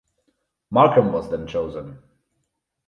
Markham was then chosen.